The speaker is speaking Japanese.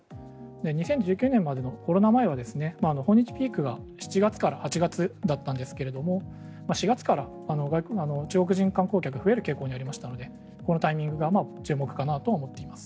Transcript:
２０１９年までのコロナ前は訪日ピークが７月から８月だったんですが４月から中国人観光客が増える傾向にありましたのでこのタイミングが注目かなと思っています。